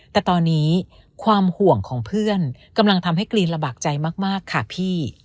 แต่ตอนนี้ความห่วงของเพื่อนกำลังทำให้กรีนระบากใจมากค่ะพี่